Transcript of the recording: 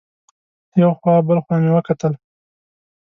یو خوا بل خوا مې وکتل.